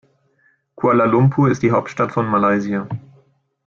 Kuala Lumpur ist die Hauptstadt von Malaysia.